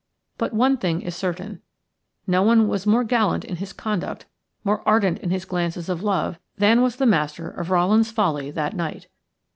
But one thing is certain: no one was more gallant in his conduct, more ardent in his glances of love, than was the master of Rowland's Folly that night.